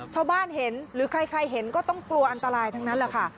ชาวบ้านเห็นหรือใครเห็นก็ต้องกลัวอันตรายทั้งนั้นแหละค่ะ